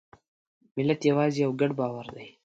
ملت یوازې یو ګډ باور دی.